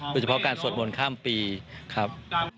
โดยเฉพาะการสวดมนต์ข้ามปีครับ